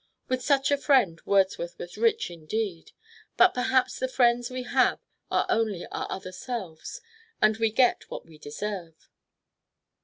With such a friend Wordsworth was rich indeed. But perhaps the friends we have are only our other selves, and we get what we deserve.